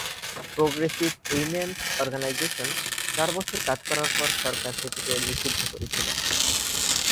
Progressive women's organization চার বছর কাজ করার পর সরকার সেটিকে নিষিদ্ধ করেছিল।